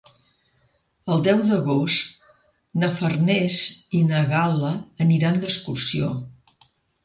El deu d'agost na Farners i na Gal·la aniran d'excursió.